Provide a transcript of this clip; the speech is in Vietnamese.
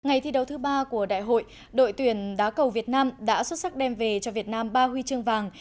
ngày thi đấu thứ ba của đại hội đội tuyển đá cầu việt nam đã xuất sắc đem về cho việt nam ba huy chương vàng